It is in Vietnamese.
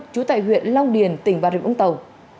trú tại huyện long điền tỉnh bà rịa vũng tàu